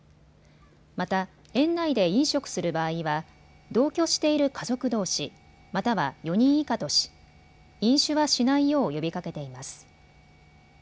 また園内で飲食する場合は同居している家族どうし、または４人以下とし飲酒はしないよう呼びかけています。